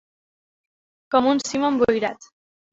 Com un cim emboirat.